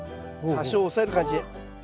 多少押さえる感じ。